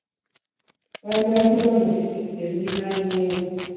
Bakyaziddwa mu disitulikiti eziriraanyeewo.